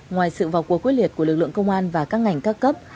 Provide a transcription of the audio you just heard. ngoài sự vọc của quyết liệt của lực lượng công an và các ngành cao cấp